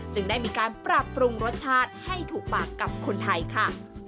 ได้มีการปรับปรุงรสชาติให้ถูกปากกับคนไทยค่ะ